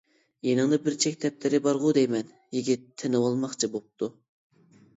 يېنىڭدا بىر چەك دەپتىرى بارغۇ دەيمەن؟ . يىگىت تېنىۋالماقچى بوپتۇ.